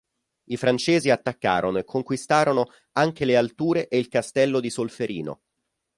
I francesi attaccarono e conquistarono anche le alture e il castello di Solferino.